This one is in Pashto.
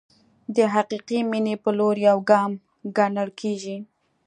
د حقیقي مینې په لور یو ګام ګڼل کېږي.